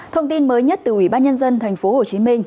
thông tin mới nhất từ ủy ban nhân dân tp hcm